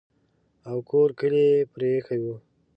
او کور کلی یې پرې ایښی وو.